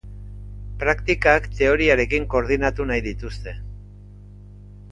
Praktikak teoriarekin koordinatu nahi dituzte.